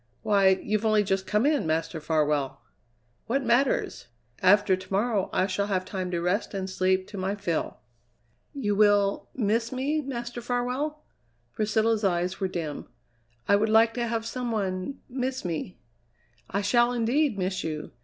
Why, you've only just come in, Master Farwell!" "What matters? After to morrow I shall have time to rest and sleep to my fill." "You will miss me, Master Farwell?" Priscilla's eyes were dim. "I would like to have some one miss me!" "I shall, indeed, miss you!